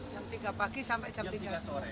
jam tiga pagi sampai jam tiga sore